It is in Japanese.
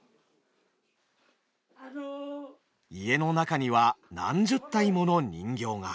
家の中には何十体もの人形が。